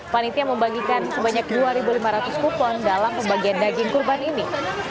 panitia membagikan sebanyak dua lima ratus kupon dalam pembagian daging kurban ini